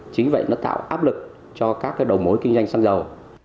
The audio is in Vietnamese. chính vậy nó tạo áp lực cho các cái đầu mối kinh doanh xăng dầu